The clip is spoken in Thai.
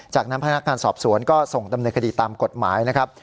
จากนั้นพนักงานสอบสวนก็ส่งดำเนินคดีตามกฎหมายนะครับ